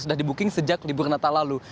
sudah dibuking sejak libur natal lalu